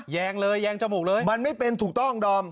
แงงเลยแยงจมูกเลยมันไม่เป็นถูกต้องดอม